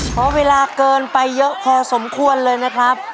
เพราะเวลาเกินไปเยอะพอสมควรเลยนะครับ